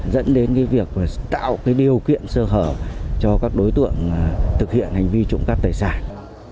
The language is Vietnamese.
dẫn đến việc tạo cái điều kiện sơ hở cho các đối tượng thực hiện hành vi trộm cắp tài sản